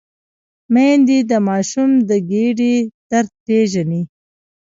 میندې د ماشوم د ګیډې درد پېژني۔